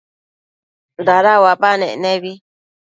dada uabanec nebi